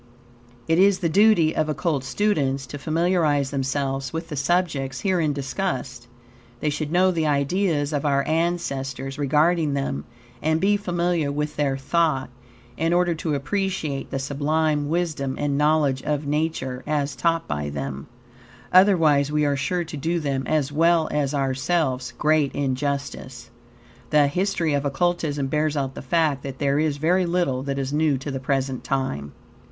It is the duty of Occult students to familiarize themselves with the subjects herein discussed. They should know the ideas of our ancestors regarding them and be familiar with their thought, in order to appreciate the sublime wisdom and knowledge of Nature as taught by them, otherwise we are sure to do them, as well as ourselves, great injustice. The history of Occultism bears out the fact that there is very little that is new to the present time.